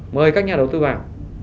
mời các nhà đầu tư vào